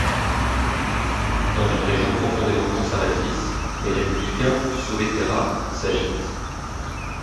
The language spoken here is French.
Dans une région profondément conservatrice, les républicains sauveterrats s'agitent.